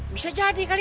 bisa jadi kali